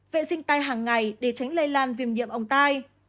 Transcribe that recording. vệ sinh tay hàng ngày để tránh lây lan viêm nhiệm ống tay